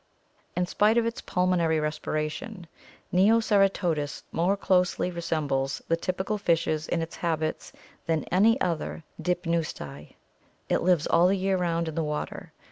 "In spite of its pulmonary respiration, Neoceratodus more closely resembles the typical fishes in its habits than any other Dipneusti. It lives all the year round in the water.